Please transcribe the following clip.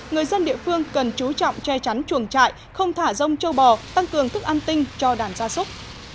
người dân địa phương cần chú trọng che chắn chuồng trại không thả rông châu bò tăng cường thức ăn tinh cho đàn gia súc